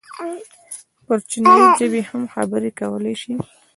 پر چينايي ژبې هم خبرې کولی شي.